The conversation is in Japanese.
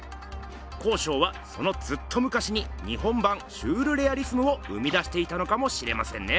康勝はそのずっとむかしに日本版シュールレアリスムを生み出していたのかもしれませんね。